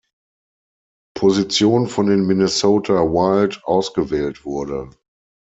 Position von den Minnesota Wild ausgewählt wurde.